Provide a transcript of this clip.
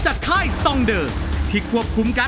ช่วยฝังดินหรือกว่า